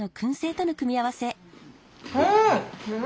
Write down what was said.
うん！